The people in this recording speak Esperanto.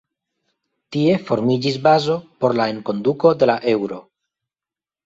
Tie formiĝis bazo por la enkonduko de la Eŭro.